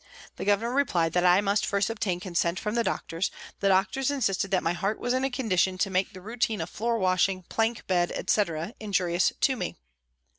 The Governor replied that I must first obtain consent from the doctors, the doctors insisted that my heart was in a condition to make the routine of floor washing, plank bed, etc., injurious to me.